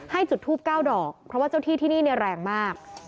ให้จุดทูบเก้าดอกเพราะว่าเจ้าที่ที่นี่เนี่ยแรงมาก